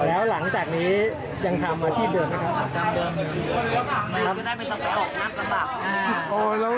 แล้วหลังจากนี้ยังทำอาชีพเดิมไหมครับ